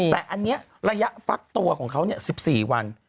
แต่อันนี้ระยะฟักตัวของเขา๑๔วัน